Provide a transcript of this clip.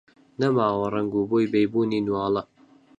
نەماوە ڕەنگ و بۆی بەیبوونی نواڵە